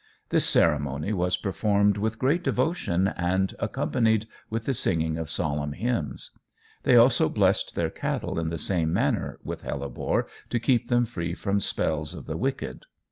This ceremony was performed with great devotion, and accompanied with the singing of solemn hymns. They also blessed their cattle in the same manner with hellebore to keep them free from spells of the wicked.